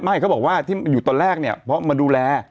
เขาบอกว่าที่อยู่ตอนแรกเนี่ยเพราะมาดูแล